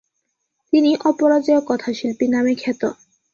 তিনি 'অপরাজেয় কথাশিল্পী' নামে খ্যাত।